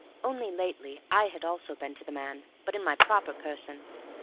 Only lately I also had been to the man, but in my proper person.